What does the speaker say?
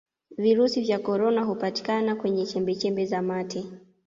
virusi vya korona hupatikana kwenye chembechembe za mate